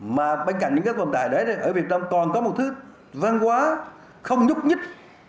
mà bên cạnh những kết quả đạt được ở việt nam còn có một thứ văn hóa không nhúc nhích